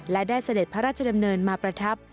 และได้เสด็จพระราชดำเนินมาประทับ